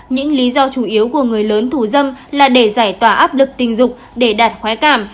những lý do chủ yếu của người lớn thù dâm là để giải tỏa áp lực tình dục để đạt khoái cảm